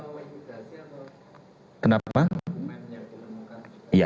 pak dokumen ijazah atau ijazahnya